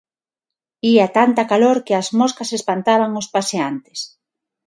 Ía tanta calor que as moscas espantaban aos paseantes.